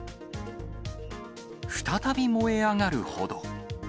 再び燃え上がるほど。